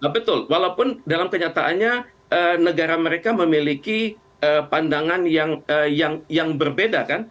betul walaupun dalam kenyataannya negara mereka memiliki pandangan yang berbeda kan